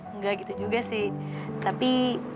enggak gitu juga sih tapi